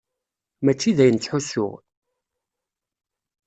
Mačči d ayen ttḥussuɣ.